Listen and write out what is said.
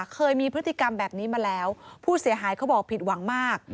เคยมีพฤติกรรมแบบนี้มาแล้วผู้เสียหายเขาบอกผิดหวังมาก